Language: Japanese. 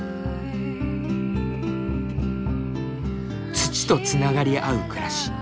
土とつながり合う暮らし。